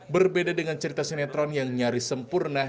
berbeda dengan cerita sinetron yang nyaris sempurna